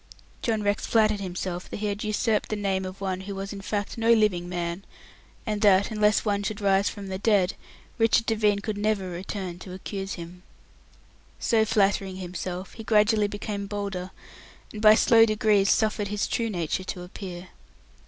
John Rex flattered himself that he had usurped the name of one who was in fact no living man, and that, unless one should rise from the dead, Richard Devine could never return to accuse him. So flattering himself, he gradually became bolder, and by slow degrees suffered his true nature to appear.